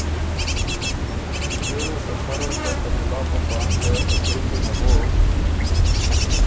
ݭيې ریوز سخرل که ته مُلا په بانګه ګری کی نغوک